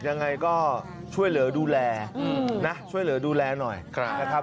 ยังไงก็ช่วยเหลือดูแลนะช่วยเหลือดูแลหน่อยนะครับ